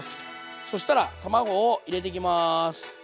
そしたら卵を入れていきます。